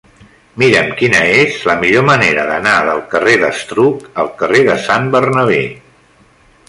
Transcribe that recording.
Mira'm quina és la millor manera d'anar del carrer d'Estruc al carrer de Sant Bernabé.